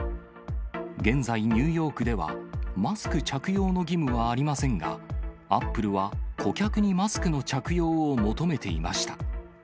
現在、ニューヨークではマスク着用の義務はありませんが、アップルは顧客にマスクの着用を求めていました。